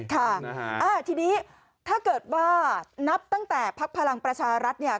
ค่ะทีนี้ถ้าเกิดว่านับตั้งแต่พักพลังประชารัฐเนี่ย